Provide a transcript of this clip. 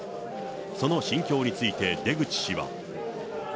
その心境について、出口氏は。